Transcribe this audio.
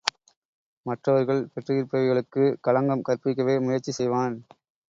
மற்றர்கள் பெற்றிருப்பவைகளுக்குக் களங்கம் கற்பிக்கவே முயற்சி செய்வான்.